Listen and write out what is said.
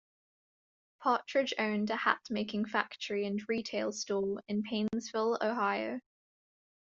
Partridge owned a hat-making factory and retail store in Painesville, Ohio.